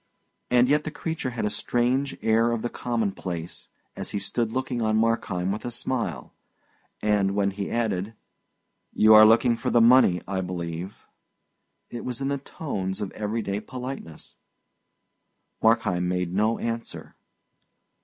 And yet the creature had a strange air of the commonplace, as he stood looking on Markheim with a smile; and when he added, "You are looking for the money, I believe?" it was in the tones of everyday politeness. Markheim made no answer.